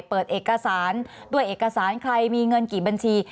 เปิดเอกสารด้วยเอกสารใครมีเงินกี่บัญชี